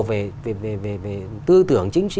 về tư tưởng chính